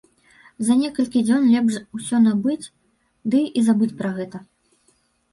За некалькі дзён лепш усё набыць, ды і забыць пра гэта.